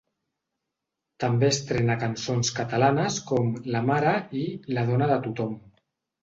També estrena cançons catalanes com La Mare i La dona de tothom.